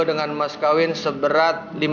dengan mas kawin seberat